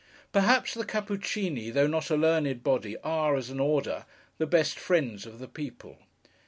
Perhaps the Cappuccíni, though not a learned body, are, as an order, the best friends of the people.